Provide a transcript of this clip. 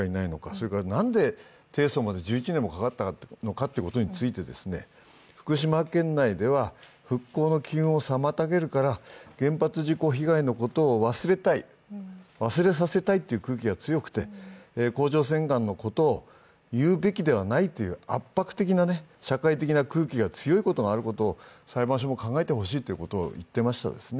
それからなんで提訴まで１１年もかかったのかということについて、福島県内では復興の機運を妨げるから原発事故被害のことを忘れたい、忘れさせたいという空気が強くて甲状腺がんのことを言うべきではないという圧迫的な、社会的な空気が強いことがアルコとを裁判所も考えてほしいということを言っていました。